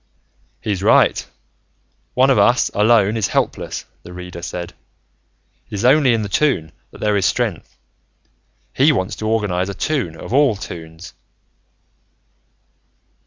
"He's right. One of us, alone, is helpless," the Reader said. "It is only in the Toon that there is strength. He wants to organize a Toon of all Toons."